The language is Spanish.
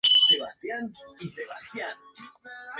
Editorial Alfaguara.